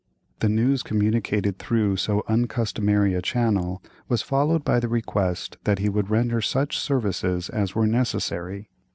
The news communicated through so uncustomary a channel was followed by the request that he would render such services as were necessary.